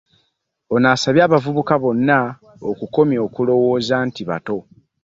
Ono asabye abavubuka bonna okukomya okulowooza nti bato